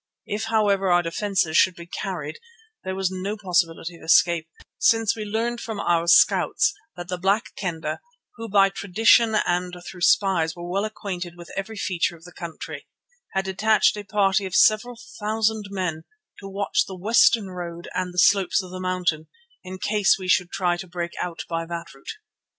If, however, our defences should be carried there was no possibility of escape, since we learned from our scouts that the Black Kendah, who by tradition and through spies were well acquainted with every feature of the country, had detached a party of several thousand men to watch the western road and the slopes of the mountain, in case we should try to break out by that route.